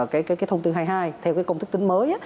cái thông tư hai mươi hai theo cái công thức tính mới